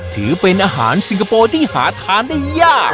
ถือเป็นอาหารซิงคโปร์ที่หาทานได้ยาก